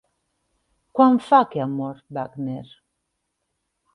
Quant fa que ha mort Wagner?